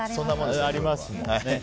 ありますもんね。